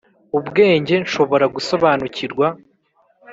ubwenge nshobora gusobanukirwa,